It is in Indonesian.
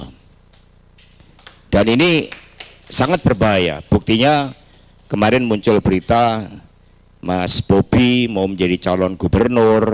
hai dan ini sangat berbahaya buktinya kemarin muncul berita mas bobby mau menjadi calon gubernur